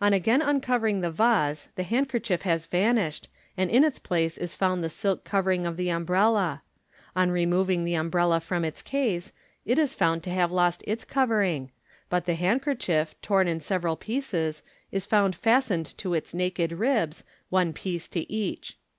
On again uncovering the vase, the handkerchief has vanished, and in its place is found the silk covering of the umbrella. On removing the umbrella from its case, it is found to have lost its covering j but the handkerchief, torn in several pieces, is found fastened to its naked ribs, one piece to each.